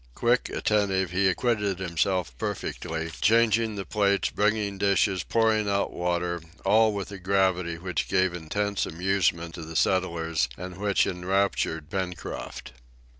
Quick, attentive, he acquitted himself perfectly, changing the plates, bringing dishes, pouring out water, all with a gravity which gave intense amusement to the settlers, and which enraptured Pencroft.